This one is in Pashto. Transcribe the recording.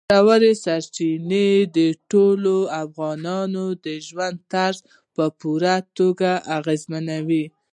ژورې سرچینې د ټولو افغانانو د ژوند طرز په پوره توګه اغېزمنوي.